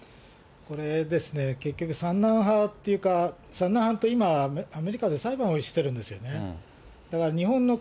これですね、結局、三男派というか、三男派は、今、アメリカで裁判をしているんですよね。